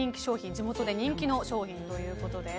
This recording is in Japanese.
地元で人気の商品ということです。